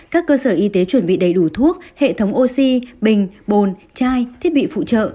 các cơ sở y tế chuẩn bị đầy đủ thuốc hệ thống oxy bình bồn trai thiết bị phụ trợ